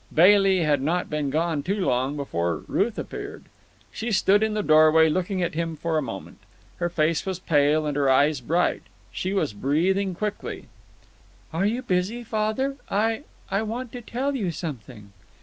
Bailey had not been gone too long before Ruth appeared. She stood in the doorway looking at him for a moment. Her face was pale and her eyes bright. She was breathing quickly. "Are you busy, father? I—I want to tell you something."